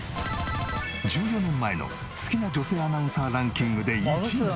１４年前の好きな女性アナウンサーランキングで１位に。